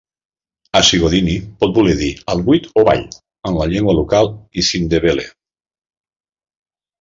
"Esigodini" pot voler dir "al buit" o "vall" en la llegua local IsiNdebele.